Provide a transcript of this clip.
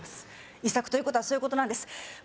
遺作ということはそういうことなんです五